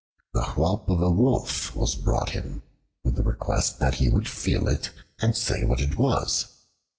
The whelp of a Wolf was brought him, with a request that he would feel it, and say what it was.